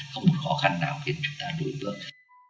không khó khăn nào khiến chúng ta đối tượng